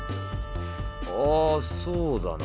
あそうだな。